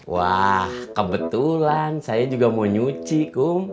wah kebetulan saya juga mau nyuci kung